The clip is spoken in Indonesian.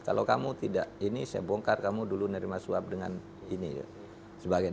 kalau kamu tidak ini saya bongkar kamu dulu nerima suap dengan ini